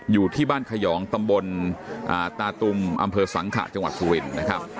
อยู่ที่บ้านขยองตำบลตาตุมอำเภอสังขะจังหวัดสุรินนะครับ